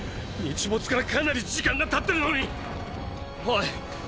⁉日没からかなり時間がたってるのに⁉オイ！